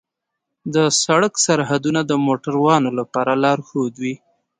د سړک سرحدونه د موټروانو لپاره لارښود وي.